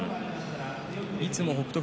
いつも北勝